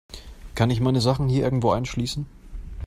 Kann ich meine Sachen hier irgendwo einschließen?